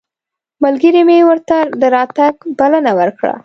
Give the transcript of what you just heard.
ملګري مې ورته د راتګ بلنه ورکړه.